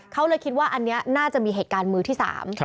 เขาเลยคิดว่าอันนี้น่าจะมีเหตุการณ์มือที่สาม